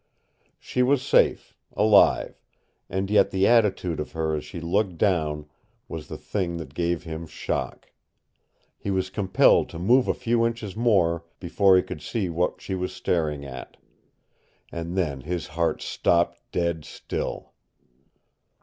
She was safe, alive, and yet the attitude of her as she looked down was the thing that gave him shock. He was compelled to move a few inches more before he could see what she was staring at. And then his heart stopped dead still.